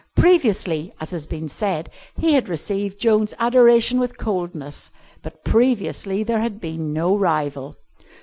Previously, as has been said, he had received Joan's adoration with coldness, but previously there had been no rival.